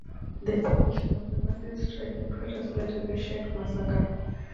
The tensions of the massive strikes and protests led to the Shakee Massacre.